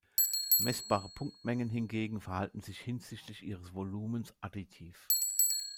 Messbare Punktmengen hingegen verhalten sich hinsichtlich ihres Volumens additiv.